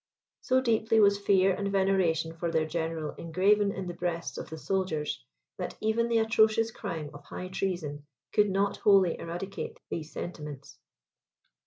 So deeply was fear and veneration for their general engraven in the breasts of the soldiers, that even the atrocious crime of high treason could not wholly eradicate these sentiments.